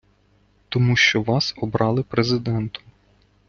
Тому що Вас обрали Президентом.